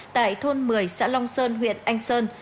tại thôn một mươi xã long sơn huyện anh sơn